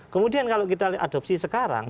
kemudian kalau kita lihat adopsi sekarang